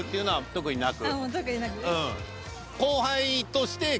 特になく。